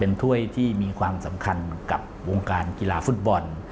ถ้วยที่มีความสำคัญกับวงการกีฬาฟุตบอล